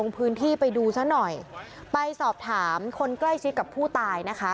พื้นที่ไปดูซะหน่อยไปสอบถามคนใกล้ชิดกับผู้ตายนะคะ